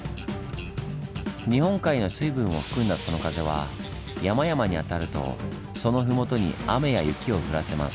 日本海の水分を含んだその風は山々に当たるとその麓に雨や雪を降らせます。